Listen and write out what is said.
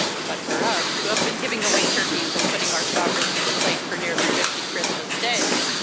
But for us, who have been giving away turkeys and putting our sovereigns in the plate for nearly fifty Christmas Days